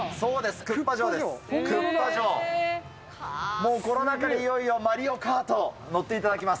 もうこの中にいよいよ、マリオカート、乗っていただきます。